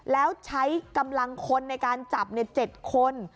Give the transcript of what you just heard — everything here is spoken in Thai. แล้วใช้กำลังคนในการจับ๗คน